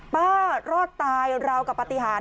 ป้ารอดตายเรากับปฏิหาร